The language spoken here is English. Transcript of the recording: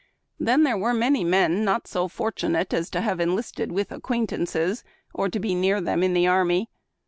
Then, there were many men not so fortunate as to have enlisted with acquaintances, or to be near them in the army.